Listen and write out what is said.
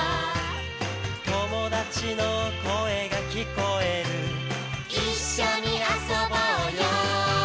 「友達の声が聞こえる」「一緒に遊ぼうよ」